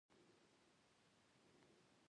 استاد له بې علمۍ سره جنګیږي.